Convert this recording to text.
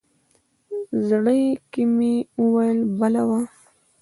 زړه کې مې ویل بلا وه.